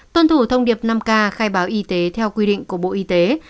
tuân thủ thông điệp năm k khai báo y tế theo quy định của bộ y tế